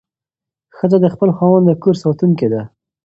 ښځه د خپل خاوند د کور ساتونکې ده.